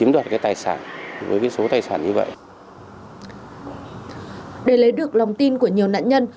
để lấy được lòng tin của nhiều nạn nhân